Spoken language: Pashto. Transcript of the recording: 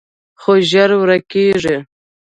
خو ژر ورکېږي